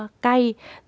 các cái chất kích thích